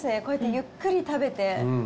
こうやってゆっくり食べて。